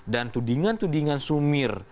dan tudingan tudingan sumir